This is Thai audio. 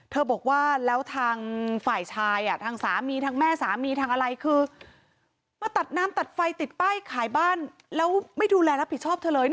บอกว่าแล้วทางฝ่ายชายทางสามีทางแม่สามีทางอะไรคือมาตัดน้ำตัดไฟติดป้ายขายบ้านแล้วไม่ดูแลรับผิดชอบเธอเลย